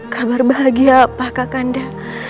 kabar bahagia apakah kanda